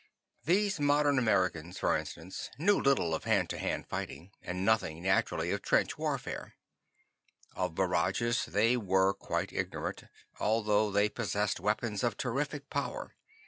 These modern Americans, for instance, knew little of hand to hand fighting, and nothing, naturally, of trench warfare. Of barrages they were quite ignorant, although they possessed weapons of terrific power.